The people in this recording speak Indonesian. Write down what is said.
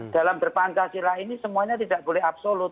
dalam berpangkah silah ini semuanya tidak boleh absolut